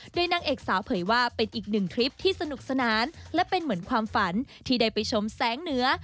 โดยนางเอกสาวเผยว่าเป็นอีกหนึ่งทริปที่สนุกสนานและเป็นเหมือนความฝันที่ได้ไปชมแสงเหนือ